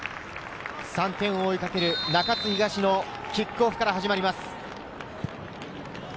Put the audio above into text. ３点を追いかける中津東のキックオフから始まります。